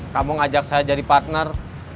kamu ngajak saya jadi partner